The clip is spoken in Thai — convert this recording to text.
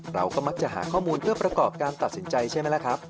เราก็มักจะหาข้อมูลเพื่อประกอบการตัดสินใจใช่ไหมล่ะครับ